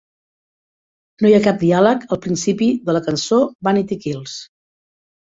No hi ha cap diàleg al principi de la cançó "Vanity Kills".